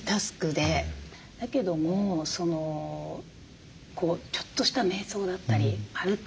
だけどもちょっとしためい想だったり歩く